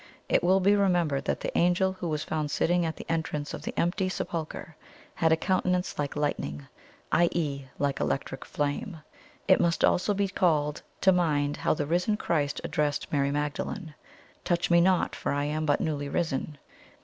It will be remembered that the angel who was found sitting at the entrance of the empty sepulchre 'had a countenance like LIGHTNING,' i.e., like electric flame. It must also be called to mind how the risen Christ addressed Mary Magdalene: 'TOUCH ME NOT, for I am but newly risen!'